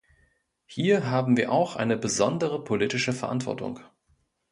Hier haben wir auch eine besondere politische Verantwortung.